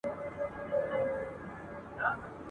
پیدا یې نکړه مستقیمه لاره